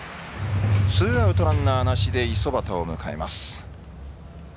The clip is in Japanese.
ツーアウトランナーなしで五十幡を迎えます。